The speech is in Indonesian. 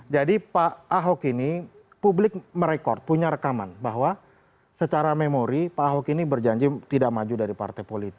jadi pak ahok ini publik merekod punya rekaman bahwa secara memori pak ahok ini berjanji tidak maju dari partai pemerintah